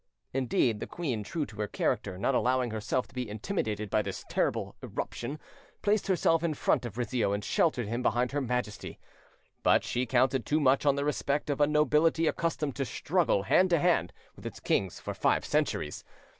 Indeed, the queen, true to her character, not allowing herself to be intimidated by this terrible irruption, placed herself in front of Rizzio and sheltered him behind her Majesty. But she counted too much on the respect of a nobility accustomed to struggle hand to hand with its kings for five centuries.